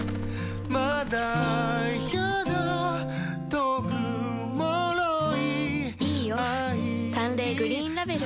まだやだ遠く脆いいいオフ「淡麗グリーンラベル」